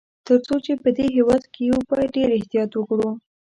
تر څو چي په دې هیواد کي یو، باید ډېر احتیاط وکړو.